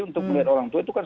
untuk melihat orang tua itu kan